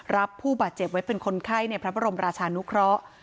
รับผู้บาดเจ็บไว้เป็นคนไข้ในพระบรมราชานุเคราะห์